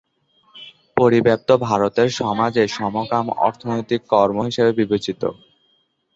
পরিব্যাপ্ত ভারতের সমাজে সমকাম অনৈতিক কর্ম হিসেবে বিবেচিত।